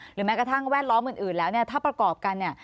หรือแม้กระทั่งแวดล้อมอื่นแล้วถ้าประกอบกัน